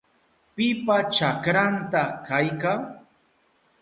¿Pipa chakranta kayka?